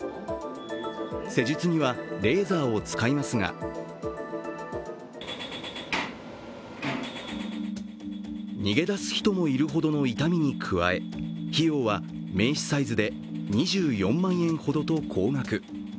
施術にはレーザーを使いますが逃げ出す人もいるほどの痛みに加え費用は名刺サイズで２４万円ほどと高額。